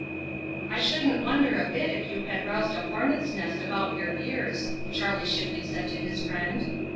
"I shouldn't wonder a bit if you had roused a hornet's nest about your ears," Charlie Shipley said to his friend.